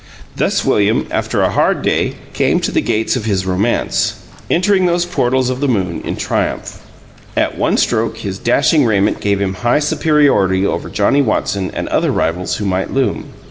... Thus William, after a hard day, came to the gates of his romance, entering those portals of the moon in triumph. At one stroke his dashing raiment gave him high superiority over Johnnie Watson and other rivals who might loom.